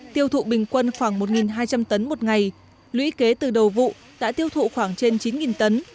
tiêu thụ bình quân khoảng một hai trăm linh tấn một ngày lũy kế từ đầu vụ đã tiêu thụ khoảng trên chín tấn